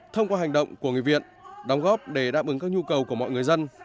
thông qua hành động của người viện đóng góp để đáp ứng các nhu cầu của mọi người dân